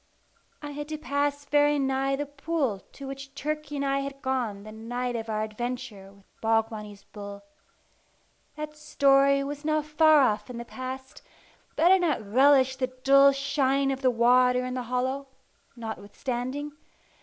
I had to pass very nigh the pool to which Turkey and I had gone the night of our adventure with Bogbonny's bull. That story was now far off in the past, but I did not relish the dull shine of the water in the hollow, notwithstanding.